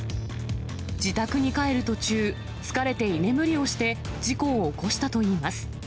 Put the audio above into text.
自宅に帰る途中、疲れて居眠りをして事故を起こしたといいます。